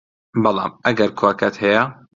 بەڵام ئەگەر کۆکەت هەیە